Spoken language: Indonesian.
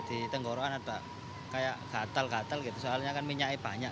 di tenggorokan ada kayak gatel gatel gitu soalnya kan minyaknya banyak